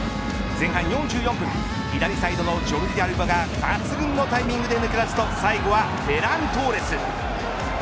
前半４４分、左サイドのジョルディ・アルバは抜群のタイミングで抜け出すと最後はフェラン・トーレス。